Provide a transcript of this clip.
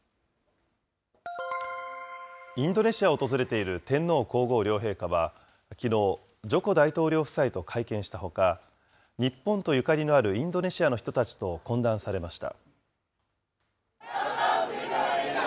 インドネシアを訪れている天皇皇后両陛下はきのう、ジョコ大統領夫妻と会見したほか、日本とゆかりのあるインドネシアの人たちと懇談されました。